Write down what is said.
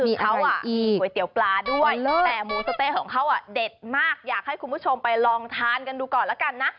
มีเขาอ่ะมีก๋วยเตี๋ยวปลาด้วยแต่หมูสะเต๊ะของเขาเด็ดมากอยากให้คุณผู้ชมไปลองทานกันดูก่อนแล้วกันนะ